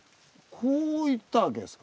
こういったわけですか。